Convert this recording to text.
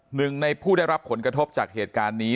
หนึ่งในผู้ได้รับผลกระทบจากเหตุการณ์นี้